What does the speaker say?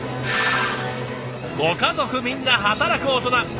ご家族みんな働くオトナ！